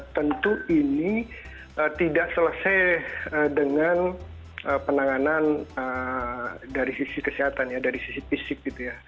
tentu ini tidak selesai dengan penanganan dari sisi kesehatan ya dari sisi fisik gitu ya